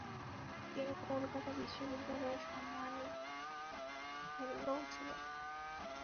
তিনি কলকাতা বিশ্ববিদ্যালয়ের সাম্মানিক ফেলো ছিলেন।